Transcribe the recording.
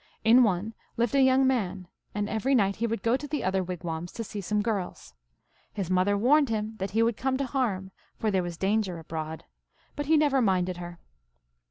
In. one lived a young man, and every night he would go to the other wigwams to see some girls. His mother warned him that he would come to harm, for there was danger abroad, but he never minded her.